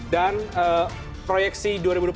dan proyeksi dua ribu dua puluh empat